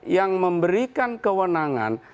yang memberikan kewenangan